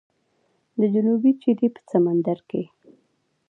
د جنوبي چیلي په سمندر کې